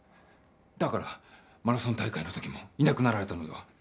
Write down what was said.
だからマラソン大会の時もいなくなられたのでは？